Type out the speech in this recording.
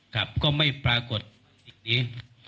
กลับก็ไม่ปรากฏอีกนี้